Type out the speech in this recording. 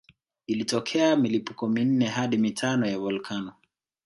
Ilitokea milipuko minne hadi mitano ya volkano